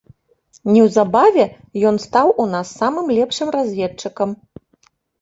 Неўзабаве ён стаў у нас самым лепшым разведчыкам.